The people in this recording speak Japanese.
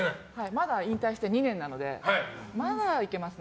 まだ引退して２年なのでまだいけますね。